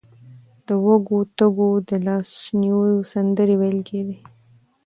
د وږو تږو د لاسنیوي سندرې ویل کېدې.